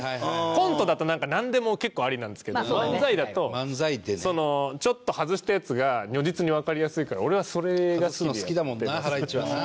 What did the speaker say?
コントだとなんでも結構ありなんですけど漫才だとちょっと外したやつが如実にわかりやすいから俺はそれが好きでやってます。